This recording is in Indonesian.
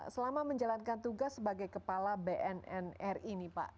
selama menjalankan tugas sebagai kepala bnnri nih pak